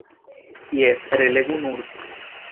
Jes, relegu nur!